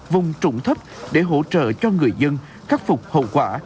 vùng trụng thấp để hỗ trợ cho người dân khắc phục hậu quả